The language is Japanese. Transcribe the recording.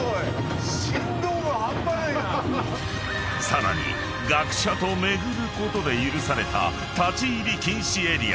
［さらに学者と巡ることで許された立入禁止エリア］